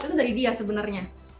itu dari dia sebenarnya